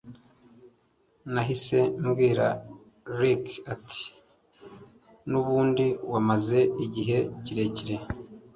nahise mbwira Ricky ati nubundi wamaze igihe kirekire